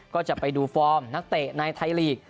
ก็จะไปดูฟอร์มนักเตะในไทยลีก